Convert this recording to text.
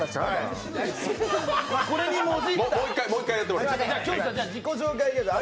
もう一回やってもらえますか。